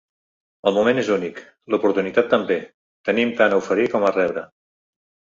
El moment és únic, l’oportunitat també: tenim tant a oferir com a rebre.